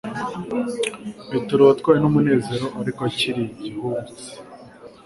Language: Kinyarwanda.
Petero watwawe n'umunezero, ariko akiri igihubutsi,